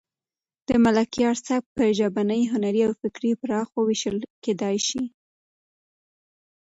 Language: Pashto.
د ملکیار سبک په ژبني، هنري او فکري برخو وېشل کېدای شي.